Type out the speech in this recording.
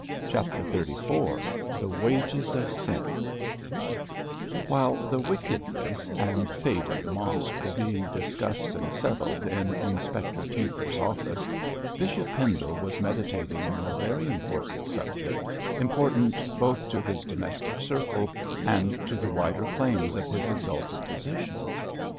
CHAPTER XXXIV THE WAGES OF SIN While the wickedness and fate of Mosk were being discussed and settled in Inspector Tinkler's office, Bishop Pendle was meditating on a very important subject, important both to his domestic circle and to the wider claims of his exalted position.